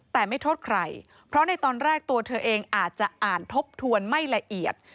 แต่ไม่โทษใครเพราะในตอนแรกตัวเธอเองอาจจะอ่านทบทวนไม่ละเอียด